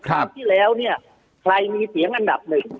ปีที่แล้วเนี่ยใครมีเสียงอันดับหนึ่ง